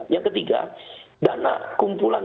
yang ketiga dana kumpulan